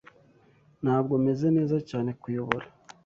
Ntabwo meze neza cyane_kuyobora